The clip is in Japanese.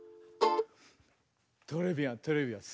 トレビアントレビアン。